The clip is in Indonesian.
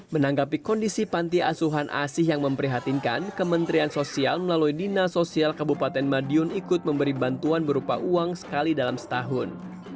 menanggapi kondisi panti asuhan asih yang memprihatinkan kementerian sosial melalui dina sosial kabupaten madiun ikut memberi bantuan berupa uang sekali dalam setahun